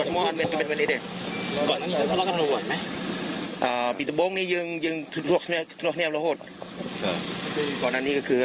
ม่าอ่าปีตะโบ้งนี่ยังยังทะเลาะแนวระโหดก่อนนั้นนี้ก็คือ